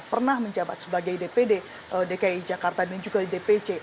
pernah menjabat sebagai dpd dki jakarta dan juga di dpc